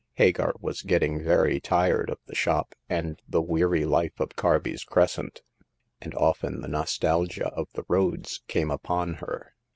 Hagar was getting very tired of the shop and the weary life of Carby's Crescent ; and often the nostalgia of the roads came upon her.